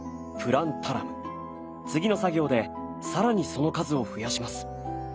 次の作業で更にその数を増やします。